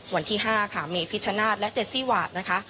วันที่๕ค่ะเมพิชชนาธิ์และเจซี่วาดนะคะ